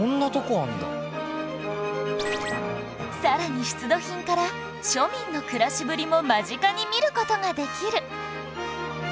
さらに出土品から庶民の暮らしぶりも間近に見る事ができる